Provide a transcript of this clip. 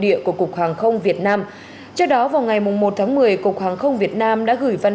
địa của cục hàng không việt nam trước đó vào ngày một tháng một mươi cục hàng không việt nam đã gửi văn